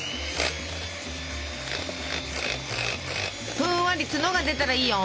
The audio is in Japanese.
ふんわり角が出たらいいよ。